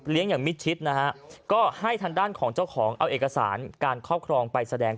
อย่างมิดชิดนะฮะก็ให้ทางด้านของเจ้าของเอาเอกสารการครอบครองไปแสดง